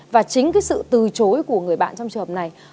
và chính cái sự từ chối của người bạn trong trợp này